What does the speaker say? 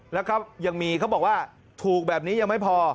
แล้วก็ยังมีเขาบอกว่าถูกแบบนี้ยังไม่พอ